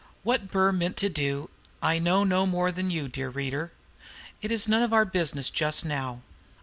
What Burr meant to do I know no more than you, dear reader. It is none of our business just now.